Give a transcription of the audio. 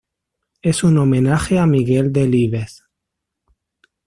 Es un homenaje a Miguel Delibes.